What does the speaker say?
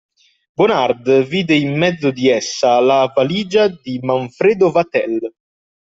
Bonard vide in mezzo di essa la valigia di Manfredo Vatel.